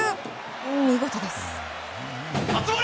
お見事です。